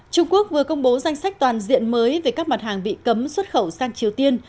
trung quốc vừa công bố danh sách toàn diện mới về các mặt hàng bị cấm xuất khẩu sang triều tiên